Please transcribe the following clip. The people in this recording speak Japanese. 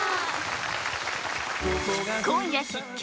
今夜、必見！